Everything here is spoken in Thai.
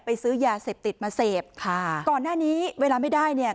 ซื้อยาเสพติดมาเสพค่ะก่อนหน้านี้เวลาไม่ได้เนี่ย